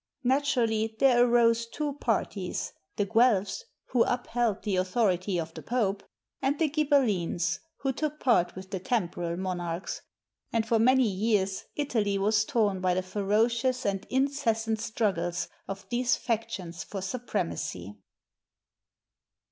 Naturally, there arose two parties: the Guelphs, who upheld the authority of the Pope; and the Ghibellines, who took part with the temporal mon archs; and for many years Italy was torn by the ferocious and incessant struggles of these factions for supremacy.